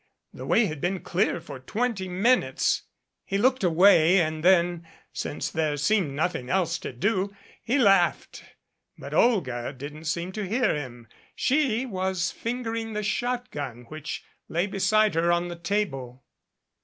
The way had been clear for twenty minutes. He looked away, and then, since there seemed nothing else to do, he laughed. But Olga didn't seem to hear him. She was fingering the shotgun which lay beside her on the table.